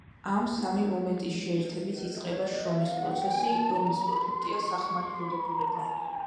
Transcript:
ამ სამი მომენტის შეერთებით იწყება შრომის პროცესი, რომლის პროდუქტია სახმარი ღირებულება.